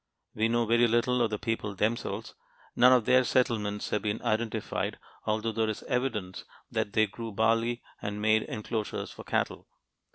We know very little of the people themselves. None of their settlements have been identified, although there is evidence that they grew barley and made enclosures for cattle.